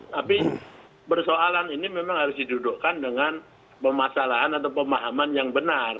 tapi persoalan ini memang harus didudukkan dengan pemasalahan atau pemahaman yang benar